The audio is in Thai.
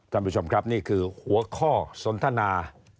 ท่านผู้ชมครับนี่คือหัวข้อสนทนา